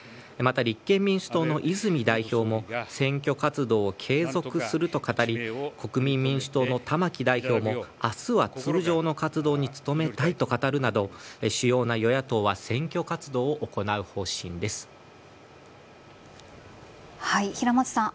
立憲民主党の泉代表も選挙活動を継続すると語り国民民主党の玉木代表も明日は通常の活動に努めたいと語るなど主要な与野党は選挙活動を行う平松さん。